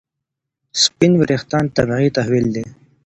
سپین وریښتان طبیعي تحول دی.